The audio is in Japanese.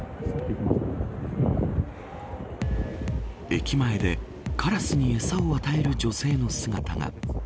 駅前でカラスに餌を与える女性の姿が。